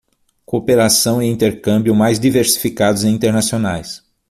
Cooperação e intercâmbio mais diversificados e internacionais